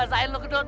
sain lu gedut